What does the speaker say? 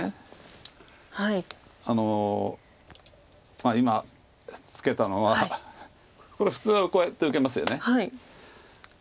まあ今ツケたのはこれ普通はこうやって受けますよね。